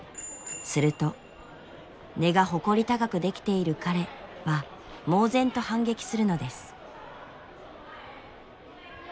すると「根が誇り高くできている彼」は猛然と反撃するのです。